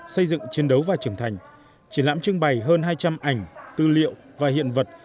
xây dựng chiến đấu và trưởng thành triển lãm trưng bày hơn hai trăm linh ảnh tư liệu và hiện vật